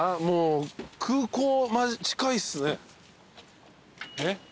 もう空港近いっすね。